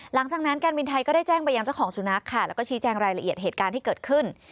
หลังจากนั้นการบินไทยก็ได้แจ้งไปยังเจ้าของสุนัขค่ะแล้วก็ชี้แจงรายละเอียดเหตุการณ์ที่เกิดขึ้น